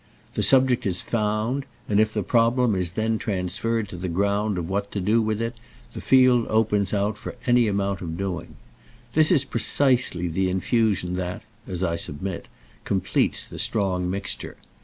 The subject is found, and if the problem is then transferred to the ground of what to do with it the field opens out for any amount of doing. This is precisely the infusion that, as I submit, completes the strong mixture.